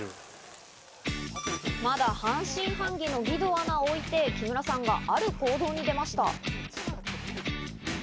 まだ半信半疑の義堂アナを置いて、木村さんがある行動に出ました。